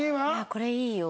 これいいよ。